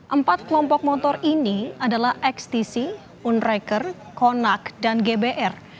empat kelompok motor ini adalah ekstsi unreker konak dan gbr